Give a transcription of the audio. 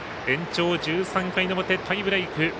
延長１３回の表、タイブレーク。